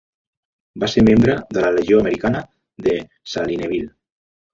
Va ser membre de la Legió Americana de Salineville.